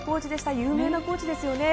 有名なコーチですよね。